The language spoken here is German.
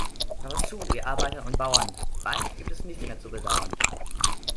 Hört zu, ihr Arbeiter und Bauern, bald gibt es nichts mehr zu bedauern.